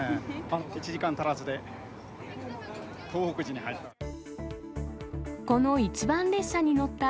１時間足らずで東北路に入った。